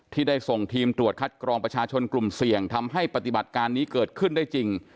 ที่ได้ส่งทีมตรวจคัดกรองประชาชนกลุ่มเสี่ยงทำให้ปฏิบัติการนี้เกิดขึ้นได้จริง